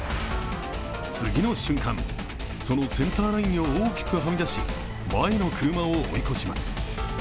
次の瞬間、そのセンターラインを大きくはみ出し、前の車を追い越します。